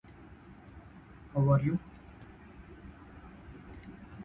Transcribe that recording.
Will, for Schopenhauer, is what Kant called the "thing-in-itself".